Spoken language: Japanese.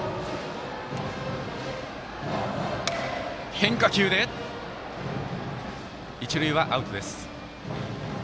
変化球で、一塁はアウトです。